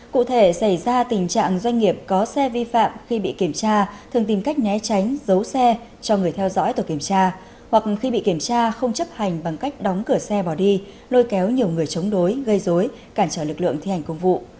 cụ thể xảy ra tình trạng doanh nghiệp có xe vi phạm khi bị kiểm tra thường tìm cách né tránh giấu xe cho người theo dõi tổ kiểm tra hoặc khi bị kiểm tra không chấp hành bằng cách đóng cửa xe bỏ đi lôi kéo nhiều người chống đối gây dối cản trở lực lượng thi hành công vụ